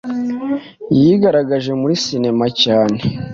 yigaragaje muri Cinema cyane